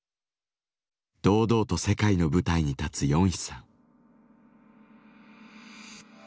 堂々と世界の舞台に立つヨンヒさん。